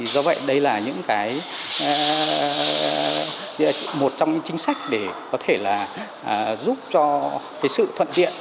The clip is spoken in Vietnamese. do vậy đây là một trong những chính sách để có thể là giúp cho sự thuận tiện